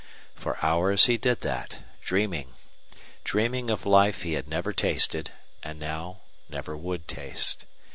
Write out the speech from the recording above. For hours he did that, dreaming, dreaming of life he had never tasted and now never would taste.